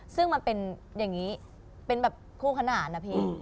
ซึ่งมันเป็นอย่างนี้เป็นแบบคู่ขนาดนะพี่